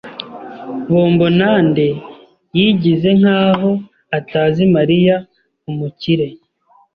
Bobonande yigize nkaho atazi Mariya umukire.